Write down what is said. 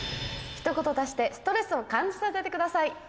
「一言足してストレスを感じさせて下さい」。